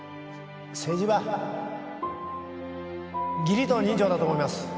政治は義理と人情だと思います！